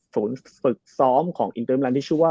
สวนศึกซอมของอินเติมมีรานท์ที่ชื่อว่า